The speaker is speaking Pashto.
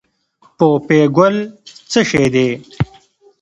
پوپی ګل څه شی دی؟